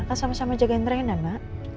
kan sama sama jagain reina mak